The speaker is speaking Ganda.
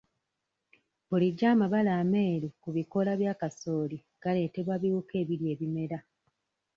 Bulijjo amabala ameeru ku bikoola bya kasooli galeetebwa biwuka ebirya ebimera.